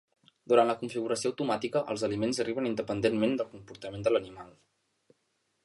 Durant la configuració automàtica, els aliments arriben independentment del comportament de l'animal.